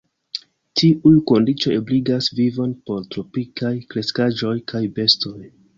Tiuj kondiĉoj ebligas vivon por tropikaj kreskaĵoj kaj bestoj.